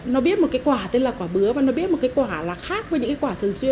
nó biết một cái quả tên là quả bứa và nó biết một cái quả là khác với những cái quả thường xuyên